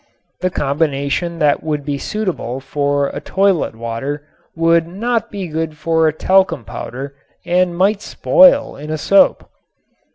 The combination that would be suitable for a toilet water would not be good for a talcum powder and might spoil in a soap.